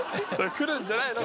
くるんじゃないの？